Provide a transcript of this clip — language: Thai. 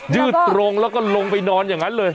ยืดตรงแล้วก็ลงไปนอนอย่างนั้นเลย